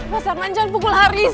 mas arman jangan pukul haris